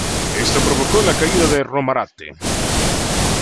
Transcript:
Esto provocó la caída de Romarate.